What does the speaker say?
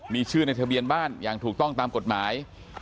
มีชื่อในทะเบียนบ้านอย่างถูกต้องตามกฎหมาย